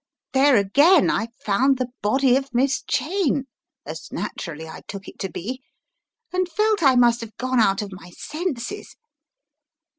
There again I found the body of Miss Cheyne, as naturally I took it to be, and felt I must have gone out of my senses.